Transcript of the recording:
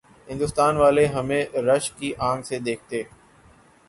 ہندوستان والے ہمیں رشک کی آنکھ سے دیکھتے۔